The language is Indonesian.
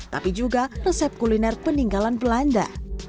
tapi juga resep kuliner peninggalan belanda